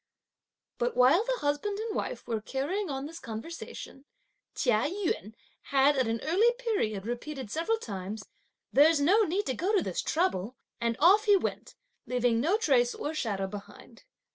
But while the husband and wife were carrying on this conversation, Chia Yün had, at an early period, repeated several times: "There's no need to go to this trouble," and off he went, leaving no trace or shadow behind.